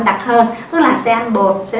đặc hơn tức là sẽ ăn bột sẽ